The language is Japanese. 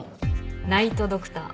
ナイト・ドクター。